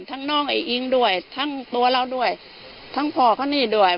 น้องไอ้อิงด้วยทั้งตัวเราด้วยทั้งพ่อเขานี่ด้วย